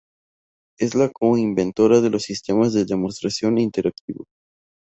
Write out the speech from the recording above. Es la co-inventora de los sistemas de demostración interactivos.